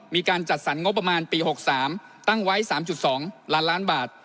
มีการจัดสรรงบประมาณปี๖๓ตั้งไว้๓๒ล้านล้านบาท